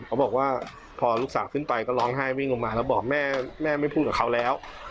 เขาบอกว่าพอลูกสาวขึ้นไปก็ร้องไห้วิ่งลงมาแล้วบอกแม่แม่ไม่พูดกับเขาแล้ว